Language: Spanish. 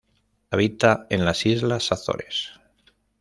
Habita en las islas Azores.